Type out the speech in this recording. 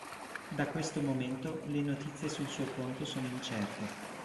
Da questo momento, le notizie sul suo conto sono incerte.